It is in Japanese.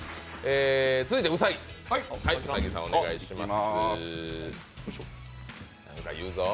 続いて兎さん、お願いします。